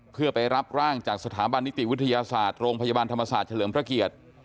เพื่อไปรับร่างจากสถาบันนิติวิทยาศาสตร์โรงพยาบาลธรรมศาสตร์เฉลิมพระเกียรติ